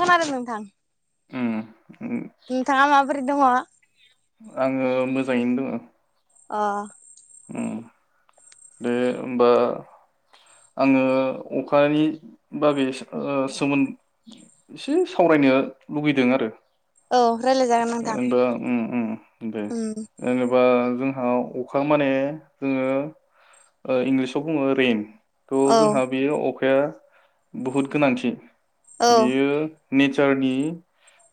खोनादों नोंथां। ओम। नोंथाङा माबोरै दङ? आङो मोजाङैनो दङ। आ। ओम दे होमबा आङो अखानि बागै ओ सोमो एसे सावरायनो लुुबैदों आरो। औ रायलायजागोन नोंथां ओ दा उम उम दे उम जेनेबा जोंहा अखा माने जोङो ओ इंलिसाव बुङो रेइन। थ' औ जोंहा बेयो अ खाया बहुत गोनांथि। औ बियो नेचारनि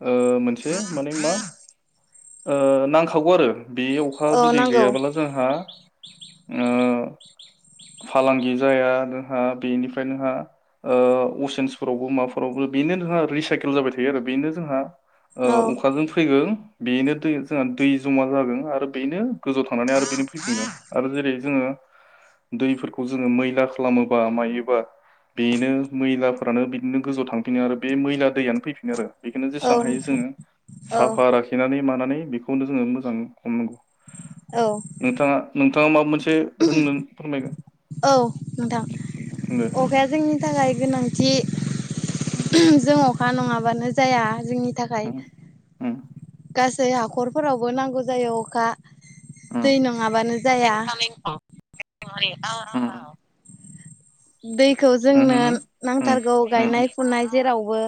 ओ मोनसे माने मा ओ नांखागौ आरो। बे अखा औ जुदि नांगौ गैयाब्ला जोंहा ओ फालांगि जाया नोंहा बेनिफ्राय नोंहा ओ- असेन्सफोरावबो माबाफोरावबो बेनो नोंहा रिसाइकेल जाबाय थायो आरो। बेनो जोंहा औ ओ- अखाजों फैयो बेनो दै जोंहा दै जमा जागोन आरो बेनो गोजौआव थांनानै आरो बेनो फैफिनगोन। आरो जेरै जोङो दैफोरखौ जोङो मैला खालामोबा मायोबा बेनो मैलाफोरानो बिदिनो गोजौआव थांफिनो आरो बे मैला दैयानो फैफिनो आरो। बेखोनो औ जेसेबां हायो नोंथां जोङो औ साफा लाखिनानै मानानै बेखौनो जोङो मोजां नंगौ। औ नोंथाङा थ माबा मोन से बुंनो औ नोंथां। दे अखाया जोंनि थाखाय गोनांथि जों अ खा नङाबानो जाया। जोंनि थाखाय। उम गासै हाखरफोरावबो नांगौ जायो अखा दै उम नङाबानो जाया। उम दैखौ उम जोंनो उम नांथारगौ उम उम गायनाय फुनाय जेराव बो।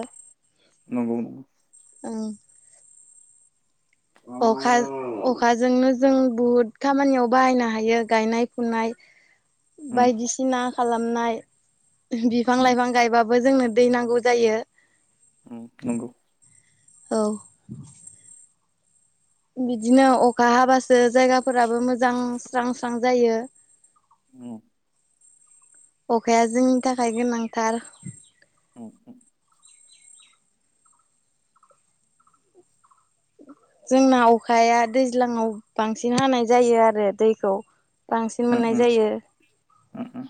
नंगौ नंगौ। औ। अखा अखाजोंनो जों बहुद खामानियाव बाहायनो हायो गायनाय, फुनाय उम बायदिसिना खालामनाय बिफां उम लाइफां गायबा बो जोंनो दै नांगौ जायो। औ नंगौ। औ। बिदिनो अखा हाबासो जायगाफोराबो मोजां स्रां - स्रां जायो। उम। अखाया जोंनि थाखाय गोनांथार। औ ओ। जोंना अखाया दैज्लांआव बांसिन हानाय जायो आरो। दैखौ बांसिन उम उम मोननाय जायो। उम उम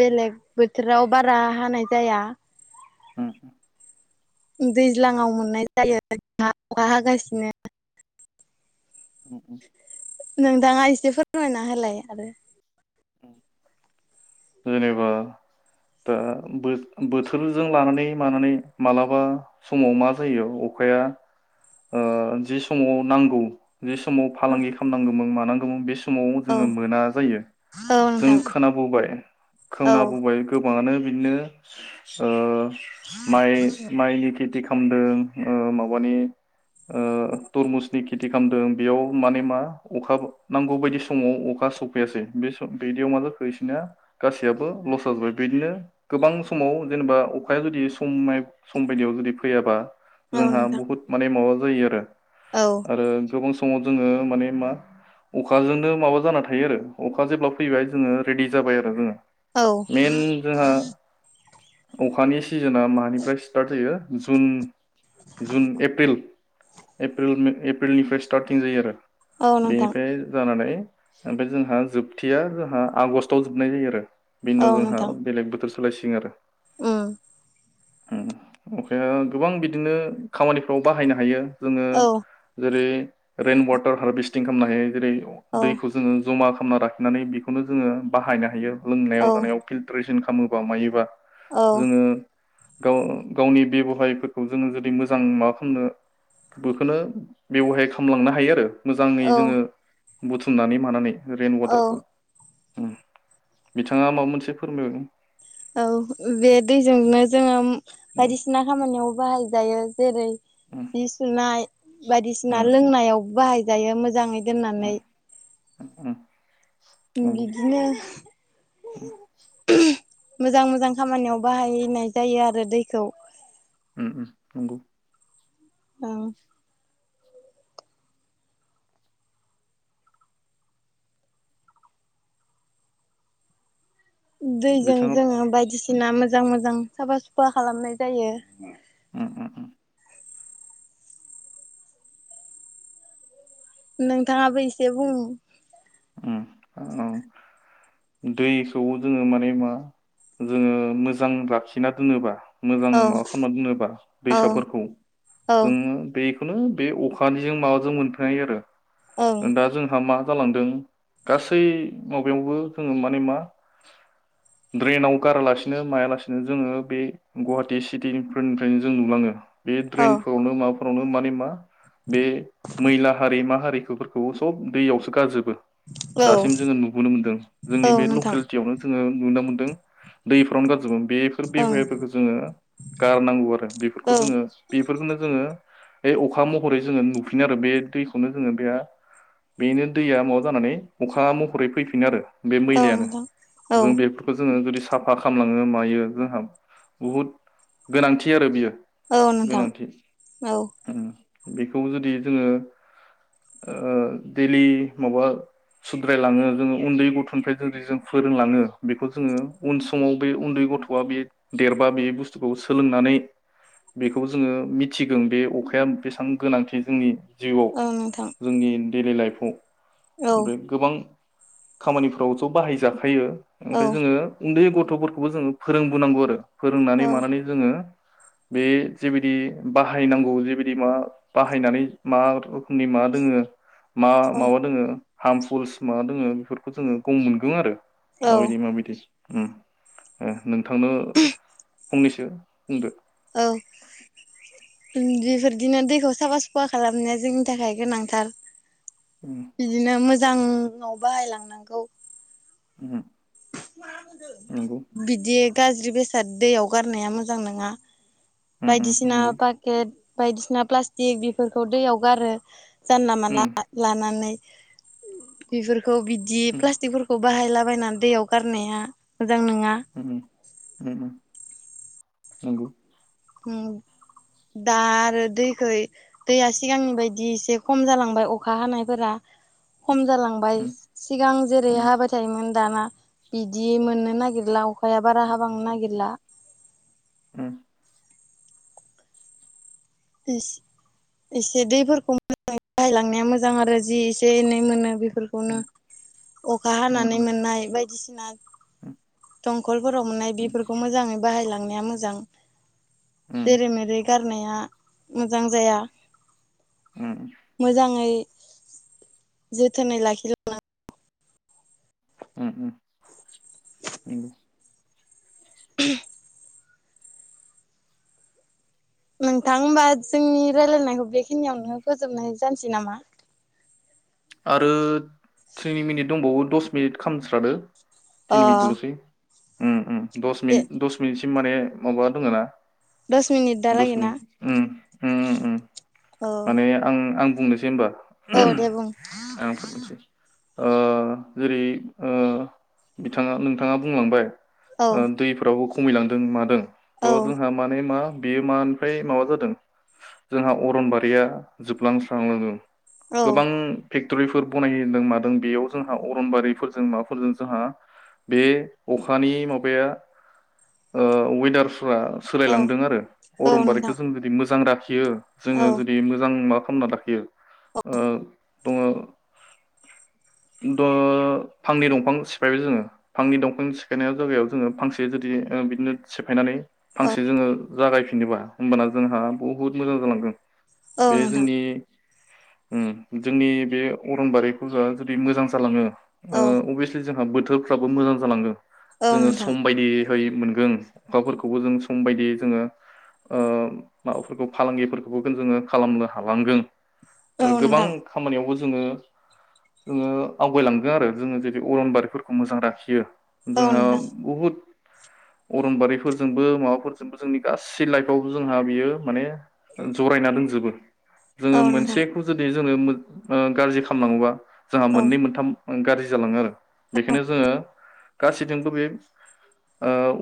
बेलेग बोथोराव बारा हानाय जाया। दैज्लाङाव मोननाय जायो अखा हागासिनो उ - उ। नोंथाङा एसे फोरमायना होलाय आरो। जेनेबा दा बो- बोथोरजों लानानै मानानै मालाबा समाव मा जायो अखाया ओ- जि समाव नांगौ जि समाव फालांगि खालामनांगो मो मानांगोमोन बेस समाव औ जोंङो मोना जायो औ जों नोंथां खोनाबोबाय औ खोनाबोबाय गो गोबाङानो बिदिनो ओ माइ माइनि खेथि खामदों ओ माबानि ओ तरमुसनि खि खेथि खामदों बेयाव माने मा अखा नांगौ बायदि समाव अखा सफैयासै बे सम बिदियाव मा जाखो इसोनिया गासैयाबो लस जाजोब्बाय बिदिनो गोबां समाव जेनेबा अखाया जुदि सम सम बायदियाव जुदि फैयाबा औ जोंहा नोंथां बुहुद माने माबा होयो आरो औ आरो गोबां स समाव जोंङो माने मा अखाजोंनो माबा जाना थायो आरो अखा जेब्ला फैबाय जोंङो रेडि जाबाय आरो जोंङो औ मेन जोंहा अखानि सिजोना मानिफ्राय स्टार्ट जायो जुन-जुन एप्रिल-एप्रिल मे एप्रिलनिफ्राय स्टारटिं जायो आरो। औ नोंथां बेनिफ्राय जानानै ओमफाय जोंहा जोबथिया जोंहा आगस्टाव जोबनाय जायो आरो। बिनि उनाव जोंहा बेलेग बोथोरस सोलायसिं आरो अम अम अखाया गोबां बिदिनो खामानिफ्राव बाहायनो हायो जोंङो औ जेरै रेन वाटार हारभेस्टिं खालामनो हायो जेरै औ दैखौ जोंङो जमा खालामना लाखिनानै बेखौनो जोंङो बाहायनो हायो औ लोंनायाव जानायाव फिलटरेसन खामोबा मायोबा औ जोंङो गाव गावनि बेब'हायफोरखौ जोंङो जुदि मोजां माबा खालामनो बेखौनो बेब'हाय खालामलांनो हायो आरो। मोजाङै औ जोंङो बुथुमनानै मानानै रेन वाटारखौ ओम बिथाङा माबा मोनसे फोरमायबानो औ बे दैजोंनो जोङो बायदिसिना खामानियाव बाहायजायो जेरै उम जि सुनाय बायदिसिना उम लोंनायाव बाहाय जायो मोजाङै उम दोननानै [inaudible] नंगौ बिदिनो मोजां मोजां खामानियाव बाहायनाय जायो आरो दैखौ। उम नंगौ। उम। दैजों बिथाङा जोङो उम बायदिसिना मोजां मोजां साफा सुफा खालामनाय जायो। उम उम नोंथाङाबो एसे बुं। उम ओम दैखौ जोङो माने मा जोङो मोजां लाखिना दोनोबा मोजां औ माबा खालामना दोनोबा औ दैसाफोरखौ औ जोङो बे बेखौनो बे अखानिजों माबाजों मोनफायो आरो। ओं दा जोंहा मा जालांदों गासै माबायावबो जोङो माने मा ड्रेनाव गारालासिनो मायालासिनो जोङो बे गुवाहाटी सिटिफोरनिफ्रायनो जों नुलाङो। बे औ ड्रेनफ्रावनो माबा फोरावनो माने मा बे मैला हारि मा हारिफोरखौ सब दैयावसो गारजोबो। औ दासिम जोङो नुबोनो मोन्दों जोंनि औ बे नोंथां लकेलिटियावनो जोङो नुनो मोनदों दैफोरावनो गारजोबोमोन। बेफोर ओं बेबहायफोरखौ जोङो गारनांगौ आरो औ बेफोरखौ जोङो बेफोरखौनो जोङो बे अखा महरै जोङो नुफिनो आरो बे दैखौनो जोङो बे बेनो दैया माबा जानानै अखा महरै फैफिन आरो। बे औ मैलायानो नोंथां औ जों बेफोरखौ जोङो जुदि साफा खालामलाङो मायो जोंहा बहुद गोनांथि आरो बियो। औ नोंथां गोनांथि औ। उम बेखौ जुदि जोङो ओ डैलि माबा सुद्रायलाङो जोङो उन्दै गथ'निफ्राय जुदि जों फोरोंलाङो बेखौ जोङो उन समाव बे उन्दै गथ'आ बे देरबा बे बुस्थुखौ सोलोंनानै बेखौ जोङो मिथिगोन बे अखाया बेसेबां गोनांथि जोंनि जिउआव औ नोंथां जोंनि डेलि लाइफ [inaudible] औ ओमफ्राय गोबां खामानिफ्राव ज' बाहायजाखायो। औ ओमफ्राय जोङो उन्दै गथ गथ'फोरखौबो जोङो फोरोंबोनांगौ आरो फोरोंनानै औ मानानै जोङो बे जेबायदि बाहायनांगौ जेबायदि मा बाहायनानै मा रोखोमनि मा दोङो मा माबा दोङो हार्मफुल्स माबा दोङो बेफोरखौ जोङो गम मोनगोन आरो औ माबायदि माबायदि उम नोंथांनो फंनैसो बुंदो बेफोरदिनो दैखौ साफा सुफा खालामनाया जोंनि थाखाय गोनांथार उम बिदिनो मो मोजाङाव बाहायलांनांगौ। उम नंगौ बिदि गाज्रि बेसाद दैयाव गारनाया मोजां नङा। उम उम बायदिसिना नंगौ पाकेट बायदिसिना प्लास्टिक बेफोरखौ दैयाव गारो जानला मानला उम लानानै बेफोर खौ बिदि उम प्लाटिफोरखौ बाहायलाबायनानै दैयाव गारनाया मोजां नङा उम - उम नोंगौ उम दा आरो दैखै दैया सिगांनि बायदि एसे खम जालांबाय अखा हानायफोरा। खम जालांबाय उम सिगां जेरै उम हाबाय थायोमोन दाना बिदि मोननो नागिरला अखाया बारा हाब बांनो नागिरला उम एसे दैफोरखौ मोजाङै [unintelligible] बाहायलांनाया मोजां आरो जि एसे एनै मोनो बे फोरखौनो अखा उम उम हानानै मोननाय बायदिसिना दंखलफोराव मोननाय बेफोरखौ मोजाङै बाहायलां नाया मोजां उम जेरै मेरै गार नाया मोजां जाया उम मोजाङै जोथोनै लाखिलांनो [unintelligible] [unintelligible] नोंथांबा जोंनि रायजलायनायखौ खिनियावनो फोजोबनाय जानसि नामा आरो थिनि मिनिट दंबावो दस मिनिट खालामामस्रादो अ थिन बि दल'सै [unintelligible] ओम ओम दस दे मिनिट दस मिनिट माने माबा दङ ना दस मिनिट दालागोना ओम ओम माने आं आं बुंनोसै होनबा औ दे बुं आं [unintelligible] ओ जेरै ओ बिथाङा नोंथाङा बुंलांबाय औ ओ दै फ्राव खमायलांदों मादों औ त जोंहा मानि मा बेयो मानिफ्राय माबा जादों जोंहा अरनबारिया जोबलांस्रांलांदों औ गोबां फेक्टरिफोर बनायदों मादों बेयाव जोंहा अरनबारिफोरजों माबाफोरजों जोंहा बे अखानि माबाया ओ वेदार औ सोलायलांदों आरो औ अरनबारिखौ नोंथां जों जुदि मोजां जोङो औ जुदि मोजां मा खालामना लाखियो दङ द फांनि दंफां सिफायबाय जोङो फांनि दंफां सिफायनाय जायगायाव जोङो फांसे जुदि बिदिनो सिफायनानै औ फांसे जोङो जागायफिनोबा होमबाना जोंहा बहुद मोजां जालांदों औ बे नोंथां जोंनि ओम जोंनि बे अरनबारिखौजा जुदि मोजां जालाङो ओ औ अबेसे जोंहा सोरफ्राबो मोजां जालाङो औ जोङो नोंथां सम बायदि मोनगोन अखाफोरखौबो जों सम बायदियै जोङो माबाफोरखौ फालांगिफोरखौबो जोङो खालामनो हालांगोन औ गोबां नोंथां खामानियावबो जोङो जोङो आवगायलांदों आरो जोङो जुदि अरनबारिफोरखौ मोजां लाखियो औ जोंहा नोंथां बहुद अरनबारिफोरजोंबो माबाफोरजोंबो जोंनि गासै लाइफआवबो जोंहा बियो माने जरायना दंजोबो जोङो औ नोंथां मोनसेखौ जुदि जोङो गाज्रि खालामनांगौबा जोंहा औ मोननै मोनथाम गाज्रि जालाङो आरो बेखायनो जोङो गासैजोंबो बे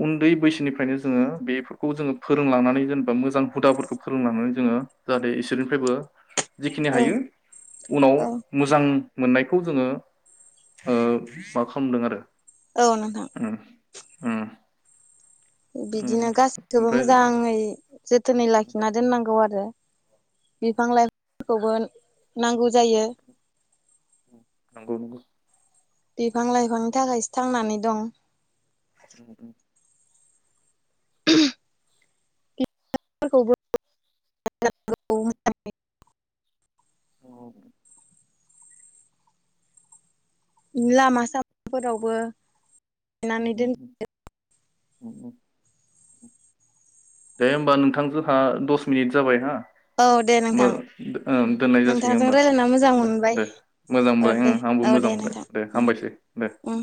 उन्दै बैसोनिफ्रायनो जोङो बेफोरखौ जोङो फोरोंलांनानै जेनेबा मोजां हुदाफोरखौ फोरोंलनानै जोङो जाहाथे इसोरनिफ्रायबो जिखिनि औ हायो उनाव औ मोजां मोननायखौ जोङो मा खालामदों आरो औ नोंथां [unintelligible] उम बिदिनो गासैखौबो ओमफ्राय मोजाङै जोथोनै लाखिना दोननांगौ आरो बिफां लाइफां खौबो नांगौ जायो नंगौ नंगौ बिफां लाइफांनि थाखायसो थांनानै दं औ औ [unintelligible] [unintelligible] औ [inaudible] लामा सामाफोरावबो गायनानै उम दोन उम दे होमबा नोंथां जोंहा दस मिनिट जाबाय हा औ दे होमबा नोंथां ओ दोननाय जासिगोन नोंथांजों होमबा रायज्लायना मोजां दे मोनबाय दे मोजां औ मोनबाय ओं दे उम आंबो औ मोजां दे मोनबाय नोंथां दे उम हामबायसै दे उम